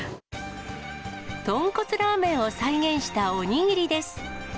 豚骨ラーメンを再現したお握りです。